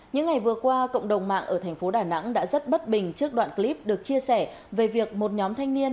những ngày vừa qua cộng đồng mạng ở thành phố đà nẵng đã rất bất bình trước đoạn clip được chia sẻ về việc một nhóm thanh niên